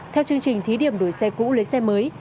theo chương trình thí điểm đổi xe cũ lấy xe mới